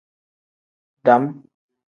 Dam.